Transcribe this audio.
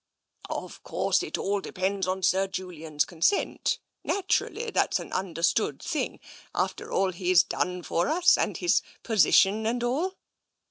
" Of course, it all depends on Sir Julian's consent — TENSION 189 naturally, that's an understood thing. After all he's done for us, and his position and all."